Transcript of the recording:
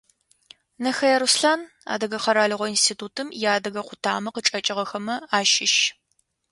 Нэхэе Руслъан, Адыгэ къэралыгъо институтым иадыгэ къутамэ къычӏэкӏыгъэхэмэ ащыщ.